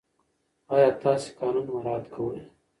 آیا تاسې قانون مراعات کوئ؟